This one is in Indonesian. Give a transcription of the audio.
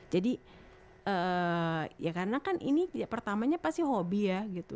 jadi ya karena kan ini ya pertamanya pasti hobi ya gitu